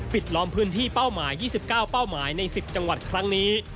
ล้อมพื้นที่เป้าหมาย๒๙เป้าหมายใน๑๐จังหวัดครั้งนี้